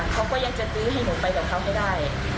เขาก็ยังจะซื้อให้หนูไปกับเขาให้ได้